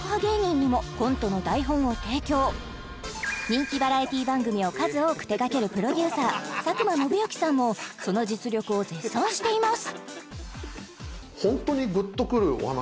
人気バラエティー番組を数多く手がけるプロデューサー佐久間宣行さんもその実力を絶賛しています